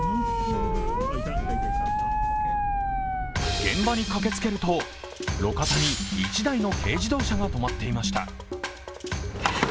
現場に駆けつけると、路肩に１台の軽自動車が止まっていました。